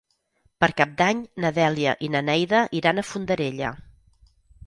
Per Cap d'Any na Dèlia i na Neida iran a Fondarella.